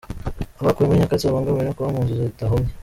Abakuwe muri Nyakatsi babangamiwe no kuba mu nzu zidahomye